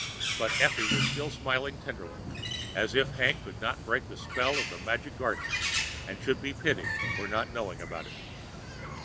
But Effie's was still smiling tenderly, as if Hank could not break the spell of the magic garden and should be pitied for not knowing about it.